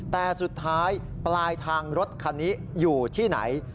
แต่สุดท้ายปลายทางรถคันนี้อยู่ที่ไหน